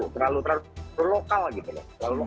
terlalu lokal gitu